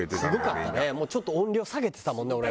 ちょっと音量下げてたもんね俺。